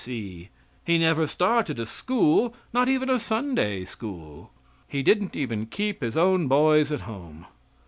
B. C. He never started a school, not even a Sunday school. He didn't even keep His own boys at home.